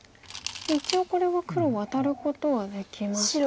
一応これは黒ワタることはできましたか。